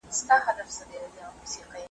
دولتمند که ډېر لیري وي خلک یې خپل ګڼي .